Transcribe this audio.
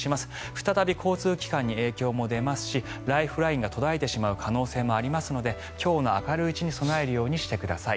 再び交通機関に影響も出ますしライフラインが途絶えてしまう可能性もありますので今日の明るいうちに備えるようにしてください。